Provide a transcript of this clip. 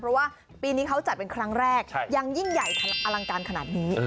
เพราะว่าปีนี้เขาจัดเป็นครั้งแรกยังยิ่งใหญ่อลังการขนาดนี้